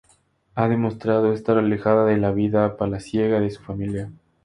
Ha demostrado estar alejada de la vida palaciega de su familia.